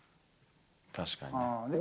確かにね。